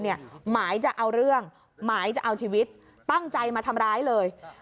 หมายจะเอาเรื่องหมายจะเอาชีวิตตั้งใจมาทำร้ายเลย